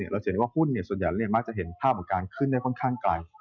จะเห็นว่าหุ้นส่วนใหญ่มักจะเห็นภาพของการขึ้นได้ค่อนข้างไกล